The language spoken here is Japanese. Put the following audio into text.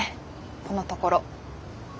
このところ。